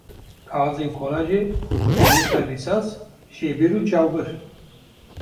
Kaxezên kolacê, pênûsa risas, jêbir û cawbir.